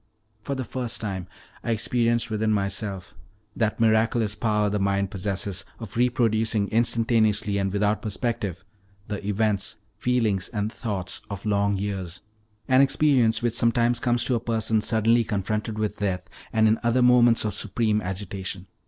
For the first time I experienced within myself that miraculous power the mind possesses of reproducing instantaneously, and without perspective, the events, feelings, and thoughts of long years an experience which sometimes comes to a person suddenly confronted with death, and in other moments of supreme agitation.